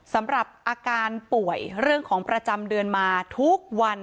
สำหรับอาการป่วยเรื่องของประจำเดือนมาทุกวัน